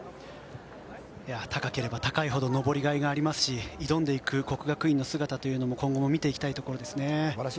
高ければ高いほど登りがいがありますし挑んでいく國學院の姿も見ていきたいですね。